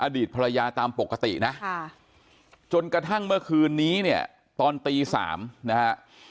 อดีตภรรยาตามปกตินะจนกระทั่งเมื่อคืนนี้เนี่ยตอนตี๓นะฮะ